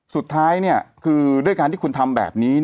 สุดท้ายคือด้วยการที่คุณทำแบบนี้